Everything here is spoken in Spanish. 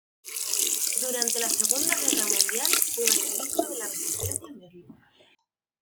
Durante la Segunda Guerra Mundial fue un activista de la resistencia en Berlín.